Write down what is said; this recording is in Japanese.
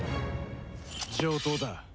上等だ。